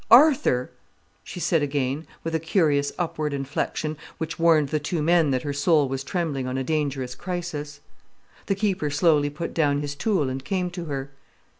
"Arthur!" she said again, with a curious upward inflection, which warned the two men that her soul was trembling on a dangerous crisis. The keeper slowly put down his tool and came to her.